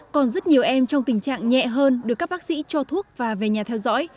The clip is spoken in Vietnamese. còn rất nhiều em trong tình trạng nhẹ hơn được các bác sĩ cho thuốc và về nhà theo dõi